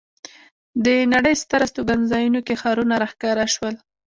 د نړۍ ستر استوګنځایونو کې ښارونه را ښکاره شول.